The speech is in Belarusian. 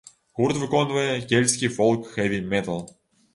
Гурт выконвае кельцкі фолк-хэві-метал.